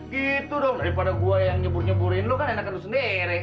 gitu dong daripada gue yang nyebur nyeburin lo kan enaknya lo sendiri